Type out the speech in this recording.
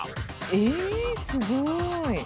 ええすごい！